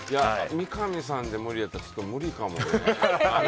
三上さんで無理やったらちょっと無理かもな。